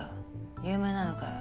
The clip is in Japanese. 有名なのかよ？